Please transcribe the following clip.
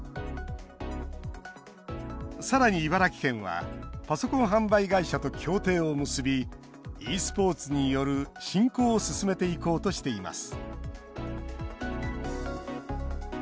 さらに、茨城県はパソコン販売会社と協定を結びｅスポーツによる振興を進めていこうとしています